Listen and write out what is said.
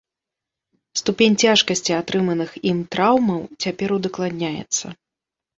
Ступень цяжкасці атрыманых ім траўмаў цяпер удакладняецца.